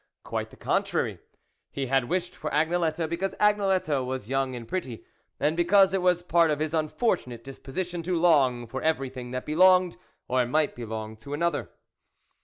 Quite the contrary; he had wished for Agnelette, because Agnelette was young and pretty, and because it was part of his unfortunate disposition to long for every thing that belonged or might belong to another.